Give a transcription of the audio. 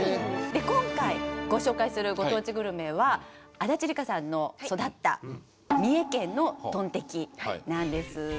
今回ご紹介するご当地グルメは足立梨花さんの育った三重県のトンテキなんです。